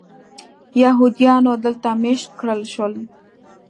یهودیانو دلته مېشت کړل شول.